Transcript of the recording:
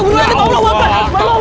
palangku sakit banget palangku